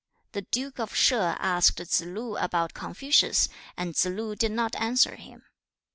The Duke of Sheh asked Tsze lu about Confucius, and Tsze lu did not answer him. 2.